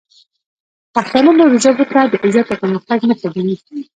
پښتانه نورو ژبو ته د عزت او پرمختګ نښه ګڼي.